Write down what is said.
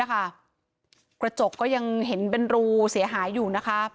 กระจกก็ยังเห็นเป็นรูเสียหายอยู่นะคะ